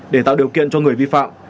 để tạo điều kiện cho người vi phạm